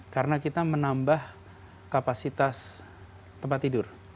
karena kita menambah kapasitas tempat tidur